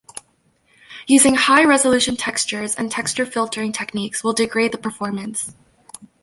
Using high resolution textures and texture filtering techniques will degrade the performance.